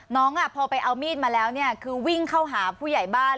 น้องพอไปเอามีดมาแล้วคือวิ่งเข้าหาผู้ใหญ่บ้าน